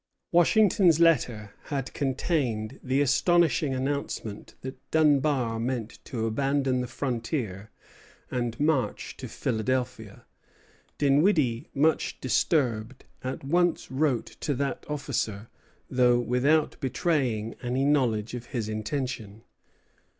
Washington's letter had contained the astonishing announcement that Dunbar meant to abandon the frontier and march to Philadelphia. Dinwiddie, much disturbed, at once wrote to that officer, though without betraying any knowledge of his intention.